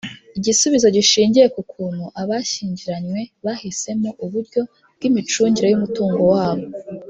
igisubizo gishingiye k’ukuntu abashyingiranywe bahisemo uburyo bw’imicungire y’umutungo wabo: